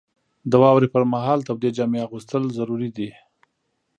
• د واورې پر مهال تودې جامې اغوستل ضروري دي.